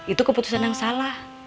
itu keputusan yang salah